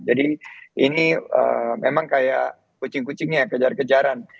jadi ini memang kayak kucing kucingnya kejar kejaran